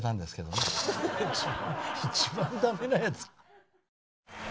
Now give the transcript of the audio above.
一番ダメなやつ。